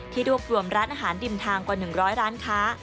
รวบรวมร้านอาหารริมทางกว่า๑๐๐ร้านค้า